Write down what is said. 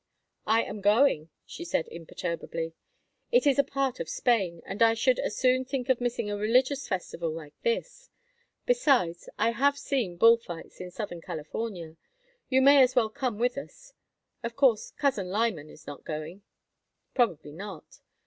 "I am going," she said, imperturbably. "It is a part of Spain, and I should as soon think of missing a religious festival like this. Besides, I have seen bull fights in southern California. You may as well come with us. Of course, Cousin Lyman is not going." "Probably not.